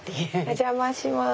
お邪魔します。